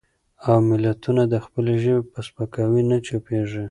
او ملتونه د خپلې ژبې په سپکاوي نه چوپېږي.